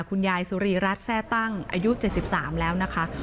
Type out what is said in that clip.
คุณยายสุรีรัฐแซ่ตั้งอายุ๗๓แล้วนะคะ